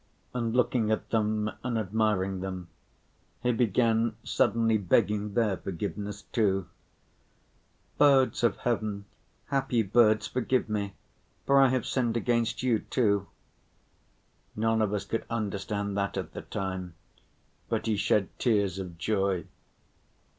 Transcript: And looking at them and admiring them, he began suddenly begging their forgiveness too: "Birds of heaven, happy birds, forgive me, for I have sinned against you too." None of us could understand that at the time, but he shed tears of joy.